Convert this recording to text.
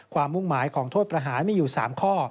มุ่งหมายของโทษประหารมีอยู่๓ข้อ